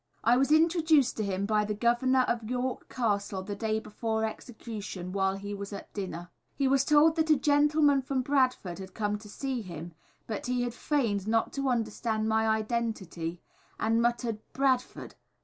I was introduced to him by the Governor of York Castle the day before the execution, while he was at dinner. He was told that "a gentleman from Bradford" had come to see him, but he feigned not to understand my identity, and muttered, "Bradford!